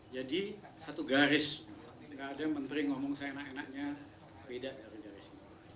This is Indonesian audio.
jadi satu garis gak ada menteri ngomong seenak enaknya beda garisnya